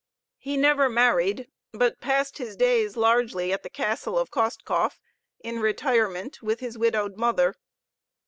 He never married, but passed his days largely at the castle of Kostkov in retirement with his widowed mother.